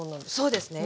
そうですね。